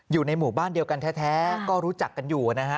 อยู่ในหมู่บ้านเดียวกันแท้ก็รู้จักกันอยู่นะฮะ